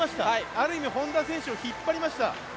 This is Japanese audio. ある意味、本多選手を引っ張りました。